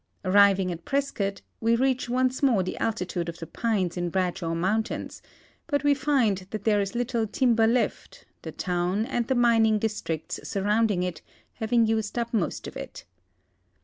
Arriving at Prescott, we reach once more the altitude of the pines in Bradshaw mountains; but we find that there is little timber left, the town and the mining districts surrounding it having used up most of it.